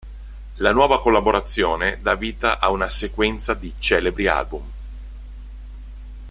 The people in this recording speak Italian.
La nuova collaborazione dà vita a una sequenza di celebri album.